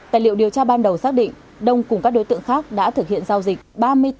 tài liệu điều tra ban đầu xác định đông cùng các đối tượng khác đã thực hiện giao dịch